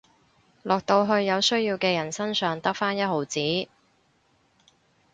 落到去有需要嘅人身上得返一毫子